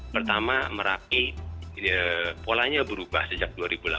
pertama merapi polanya berubah sejak dua ribu delapan belas